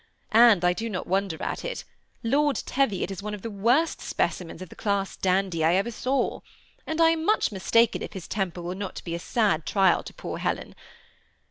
And I do not wonder at it. Lord Teviot is one of the worst specimens of the class dandy I ever saw; and I am much mistaken if his temper will not be a sad trial to poor Helen.